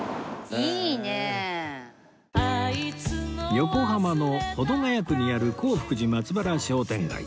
横浜の保土ケ谷区にある洪福寺松原商店街